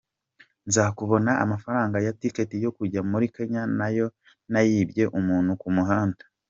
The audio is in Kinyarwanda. Nza kubona amafaranga ya ticket yo kujya muri Kenya nayo nayibye umuntu ku muhanda.